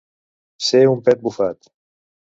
Ser un pet bufat.